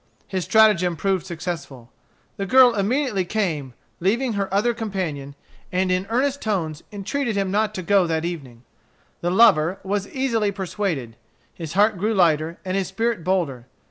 His stratagem proved successful. The girl immediately came, leaving her other companion, and in earnest tones entreated him not to go that evening. The lover was easily persuaded. His heart grew lighter and his spirit bolder.